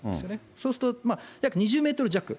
そうすると、約２０メートル弱。